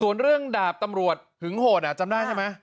ส่วนเรื่องดาบตำรวจหึงโหดจำได้ใช่ไหม